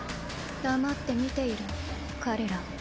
黙って見ていろ彼らを。